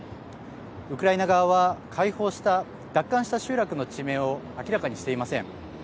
ウクライナ側は解放した、奪還した集落の地名を明らかにしていません。